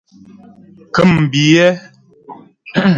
Ŋkə̂mbiyɛ́.